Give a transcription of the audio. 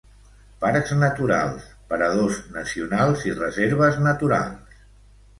Parcs naturals, paradors nacionals i reserves naturals.